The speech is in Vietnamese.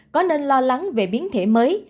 có nên lo lắng về biến thể mới